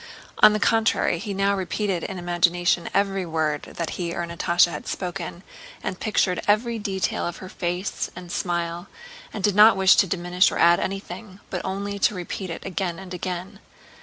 On the contrary, he now repeated in imagination every word that he or Natásha had spoken and pictured every detail of her face and smile, and did not wish to diminish or add anything, but only to repeat it again and again.